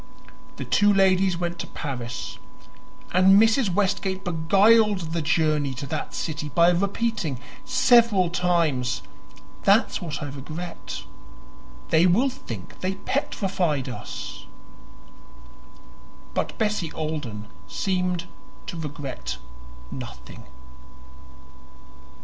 The two ladies went to Paris, and Mrs. Westgate beguiled the journey to that city by repeating several times "That's what I regret; they will think they petrified us." But Bessie Alden seemed to regret nothing.